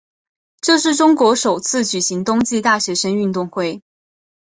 这是中国首次举行冬季大学生运动会。